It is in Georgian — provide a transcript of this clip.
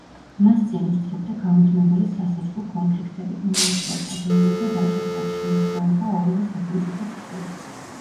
მას წინ უსწრებდა გამუდმებული სასაზღვრო კონფლიქტები, მომლოცველთა დევნა და ვაჭართა შევიწროება ორივე სახელმწიფოს მხრივ.